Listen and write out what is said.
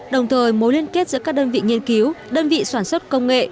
đồng thời mối liên kết giữa các đơn vị nghiên cứu đơn vị sản xuất công nghệ